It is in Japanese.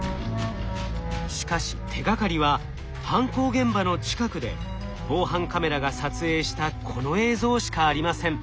しかし手がかりは犯行現場の近くで防犯カメラが撮影したこの映像しかありません。